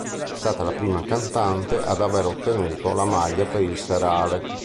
È stata la prima cantante ad aver ottenuto la maglia per il serale.